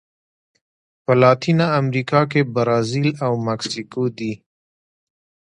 په لاتینه امریکا کې برازیل او مکسیکو دي.